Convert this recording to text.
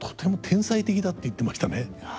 天才的だ」って言ってましたね。